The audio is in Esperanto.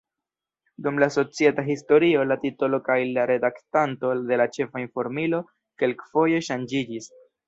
Dum la societa historio la titolo kaj redaktanto de la ĉefa informilo kelkfoje ŝanĝiĝis.